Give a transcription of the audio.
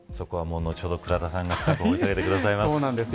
後ほど倉田さんが掘り下げてくださいます。